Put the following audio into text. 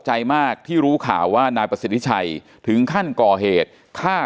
ใจมากที่รู้ข่าวว่านายประสิทธิชัยถึงขั้นก่อเหตุฆ่า